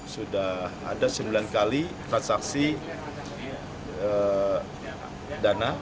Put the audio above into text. sudah ada sembilan kali transaksi dana